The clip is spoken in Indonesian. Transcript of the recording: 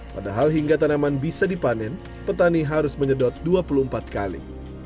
padahal hingga tanaman bisa dipanen petani harus menyedot dua puluh empat kali